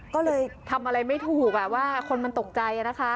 ก็เลยทำอะไรไม่ถูกว่าคนมันตกใจนะคะ